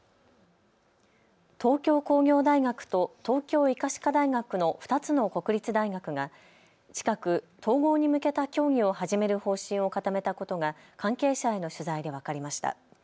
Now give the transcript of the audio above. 東京工業大学と東京医科歯科大学の２つの国立大学が近く統合に向けた協議を始める方針を固めたことが関係者への取材で分かりました。